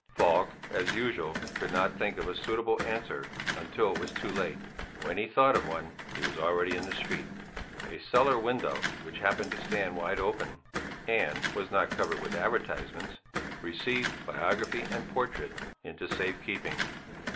Falk, as usual, could not think of a suitable answer until it was too late; when he thought of one, he was already in the street. A cellar window which happened to stand wide open (and was not covered with advertisements) received biography and portrait into safe keeping.